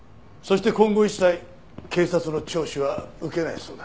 そして今後一切警察の聴取は受けないそうだ。